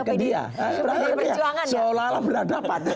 ke dia seolah olah beradabannya